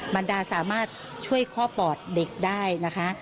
มันดาสามารถช่วยข้อปอดเด็กได้นะคะ